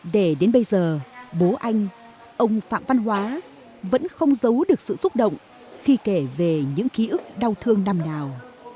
để đến bây giờ bố anh ông phạm văn hóa vẫn không giấu được sự xúc động khi kể về những ký ức đau thương năm nào